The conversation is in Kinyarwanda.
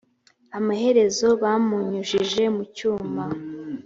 amaherezo bamunyujije mu cyuma